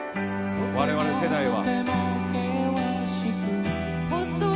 我々世代は。